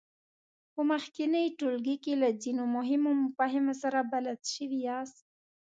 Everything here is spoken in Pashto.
په مخکېني ټولګي کې له ځینو مهمو مفاهیمو سره بلد شوي یاست.